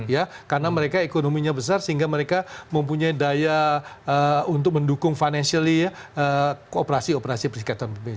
ya karena mereka ekonominya besar sehingga mereka mempunyai daya untuk mendukung financially ya kooperasi operasi persikatan